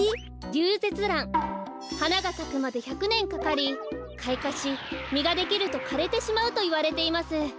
リュウゼツラン。はながさくまで１００ねんかかりかいかしみができるとかれてしまうといわれています。